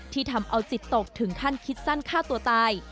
ทำเอาจิตตกถึงขั้นคิดสั้นฆ่าตัวตาย